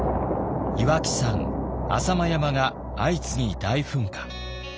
岩木山浅間山が相次ぎ大噴火。